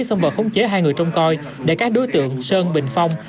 xông vào khống chế hai người trong coi để các đối tượng sơn bình phong